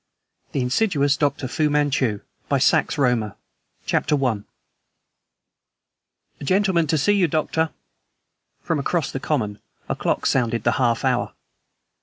The Insidious Dr. Fu Manchu by Sax Rohmer CHAPTER I "A GENTLEMAN to see you, Doctor." From across the common a clock sounded the half hour.